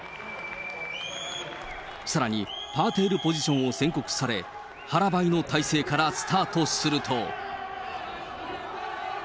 さらに、パーテールポジションを宣告され、腹ばいの体勢からスタートすると。